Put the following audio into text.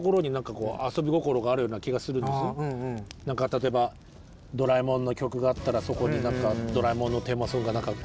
例えば「ドラえもん」の曲があったらそこに「ドラえもん」のテーマソングが隠れてたりだとか。